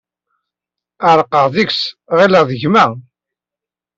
Ɛerqeɣ deg-s, ɣileɣ-t d gma.